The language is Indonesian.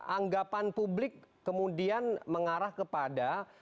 anggapan publik kemudian mengarah kepada